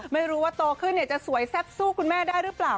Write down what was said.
ไม่รู้ว่าโตขึ้นจะสวยแซ่บสู้คุณแม่ได้หรือเปล่า